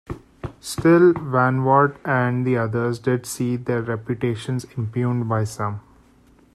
Still, Van Wart and the others did see their reputations impugned by some.